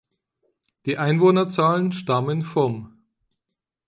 Die Einwohnerzahlen stammen vom